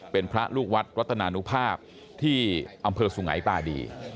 เป็นพระลูกวัดรัตนานุภาพที่อำเภอสุงัยปาดี